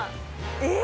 えっ！